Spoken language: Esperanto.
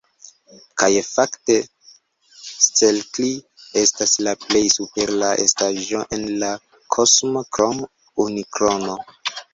Kaj fakte, Stelkri estas la plej supera estaĵo en la kosmo krom Unikrono.